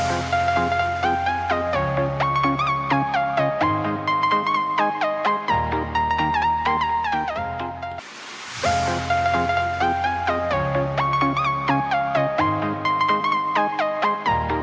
akan dapatkan l berekaan dan kehidupan